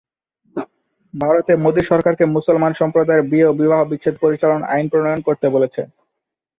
ভারতে মোদি সরকারকে মুসলমান সম্প্রদায়ের বিয়ে ও বিবাহবিচ্ছেদ পরিচালনার আইন প্রণয়ন করতে বলেছে।